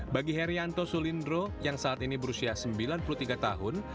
bagi herianto sulindro yang saat ini berusia sembilan puluh tiga tahun